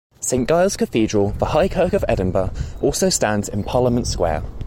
Saint Giles' Cathedral, the High Kirk of Edinburgh, also stands in Parliament Square.